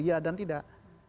iya dan tidak